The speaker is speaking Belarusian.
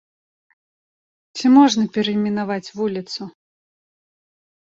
Ці можна перайменаваць вуліцу?